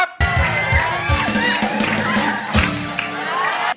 มันมัน